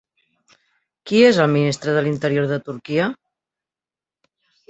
Qui és el ministre de l'Interior de Turquia?